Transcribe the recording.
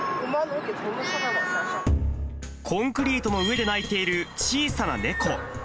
コンクリートの上で鳴いている小さな猫。